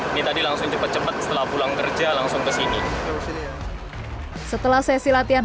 ini tadi langsung cepat cepat setelah pulang kerja langsung ke sini setelah sesi latihan